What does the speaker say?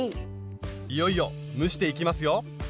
いよいよ蒸していきますよ。